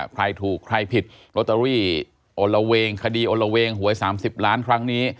ใครถูกใครผิดลอตเตอรี่โอละเวงคดีโอละเวงหวย๓๐ล้านครั้งนี้